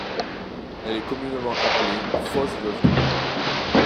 Elle est communément appelée fausse Veuve noire.